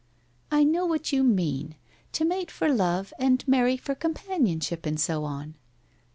' I know what you mean. To mate for love and marry for companionship, and so on?'